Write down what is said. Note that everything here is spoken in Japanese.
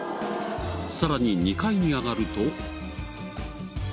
さらに２階に上がると。